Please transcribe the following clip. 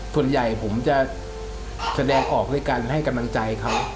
ส่วนใหญ่ผมจะแสดงออกด้วยการให้กำลังใจเขา